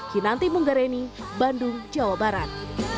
kinanti munggareni bandung jawa barat